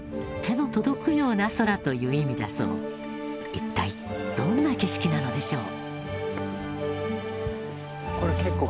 一体どんな景色なのでしょう？